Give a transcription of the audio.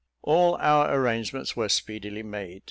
All our arrangements were speedily made.